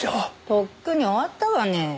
とっくに終わったがね。